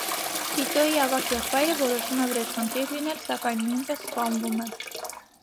Վիտոյի ավագ եղբայրը որոշում է վրեժխնդիր լինել, սակայն նույնպես սպանվում է։